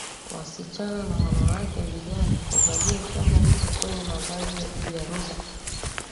wasichana na wanawake vijana huvalia shanga hizo kwenye mavazi ya bibi harusi